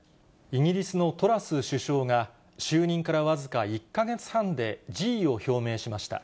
イギリスのトラス首相が、就任から僅か１か月半で辞意を表明しました。